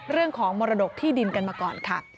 เรื่องของมรดกที่ดินกันมาก่อนค่ะ